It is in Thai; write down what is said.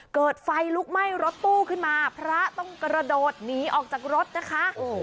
เกิดไฟลุกไหม้รถตู้ขึ้นมาพระต้องกระโดดหนีออกจากรถนะคะ